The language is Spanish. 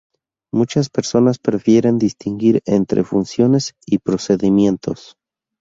Muchas personas prefieren distinguir entre "funciones" y "procedimientos".